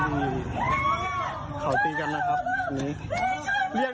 รุมทำร้ายร่างกายชายหญิงคู่หนึ่ง